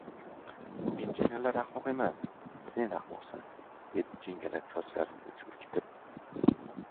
— Injenerlar ahmoqmas, sen ahmoqsan! — dedi jingalak sochlarini silkitib.